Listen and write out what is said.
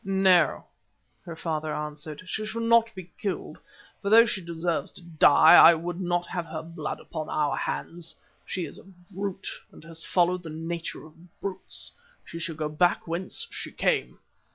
"No," her father answered, "she shall not be killed, for though she deserves to die, I will not have her blood upon our hands. She is a brute, and has followed the nature of brutes. She shall go back whence she came."